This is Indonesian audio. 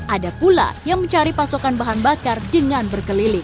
ada pula yang mencari pasokan bahan bakar dengan berkeliling